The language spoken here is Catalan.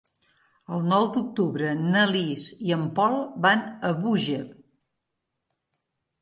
El nou d'octubre na Lis i en Pol van a Búger.